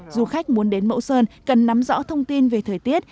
du khách muốn đến mẫu sơn cần nắm rõ thông tin về thời tiết